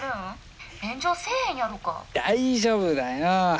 大丈夫だよ。